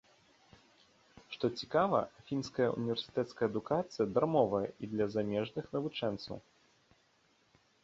Што цікава, фінская універсітэцкая адукацыя дармовая і для замежных навучэнцаў.